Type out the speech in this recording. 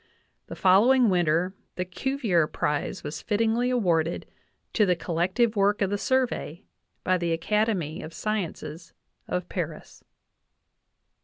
The following winter the Cuvier prize was fittingly awarded "to the collective work of the Survey" by the Academy of Sciences of Paris.